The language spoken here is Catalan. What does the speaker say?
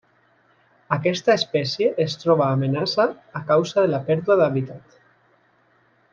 Aquesta espècie es troba amenaça a causa de la pèrdua d'hàbitat.